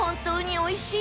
おいしい！